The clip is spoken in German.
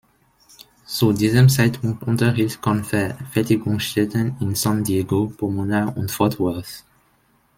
Zu diesem Zeitpunkt unterhielt Convair Fertigungsstätten in San Diego, Pomona und Fort Worth.